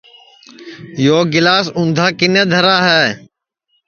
یو گَِلاس اُندھا کِنے دھرا ہے